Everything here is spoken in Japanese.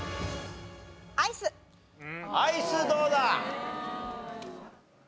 アイスどうだ？